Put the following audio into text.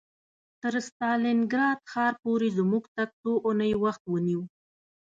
تر ستالینګراډ ښار پورې زموږ تګ څو اونۍ وخت ونیو